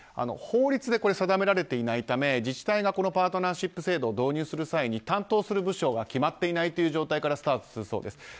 法律で定められていないため自治体がパートナーシップ制度を導入する際に担当する部署が決まっていない状態からスタートするそうです。